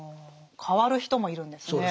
変わる人もいるんですね。